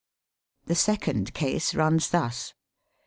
The second case runs thus.